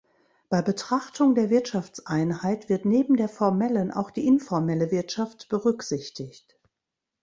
Bei Betrachtung der Wirtschaftseinheit wird neben der formellen auch die informelle Wirtschaft berücksichtigt.